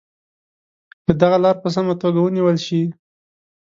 که دغه لاره په سمه توګه ونیول شي.